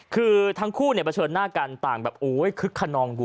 คือทั้งคู่เนี่ยเผชิญหน้ากันต่างแบบโอ๊ยคึกขนองวั